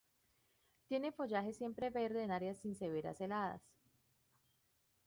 Tiene follaje siempreverde en áreas sin severas heladas.